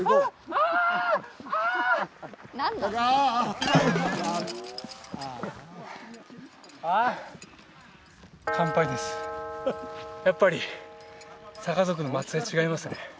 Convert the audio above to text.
ああやっぱりサカ族の末裔違いますね